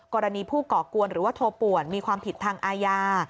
กรณีผู้ก่อกวนหรือว่าโทรป่วนมีความผิดทางอาญา